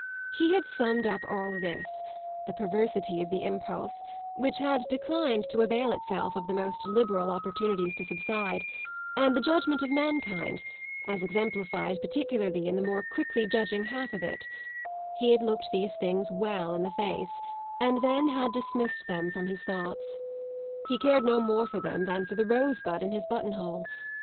He had summed up all this the perversity of the impulse, which had declined to avail itself of the most liberal opportunities to subside, and the judgement of mankind, as exemplified particularly in the more quickly judging half of it: he had looked these things well in the face and then had dismissed them from his thoughts. He cared no more for them than for the rosebud in his buttonhole.